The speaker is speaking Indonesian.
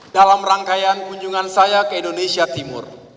dalam rangkaian kunjungan saya ke indonesia timur